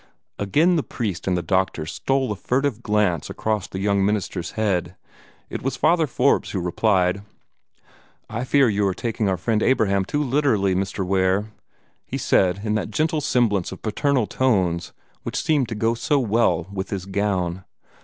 Again the priest and the doctor stole a furtive glance across the young minister's head. It was Father Forbes who replied. "I fear that you are taking our friend Abraham too literally, Mr. Ware," he said, in that gentle semblance of paternal tones which seemed to go so well with his gown.